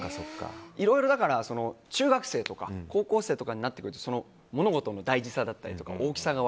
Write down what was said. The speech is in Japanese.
いろいろ、中学生とか高校生になってくると物事の大事さだったりとか大きさが